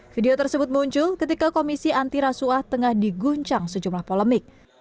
video tersebut muncul ketika komisi antirasuah tengah diguncang sejumlah polemik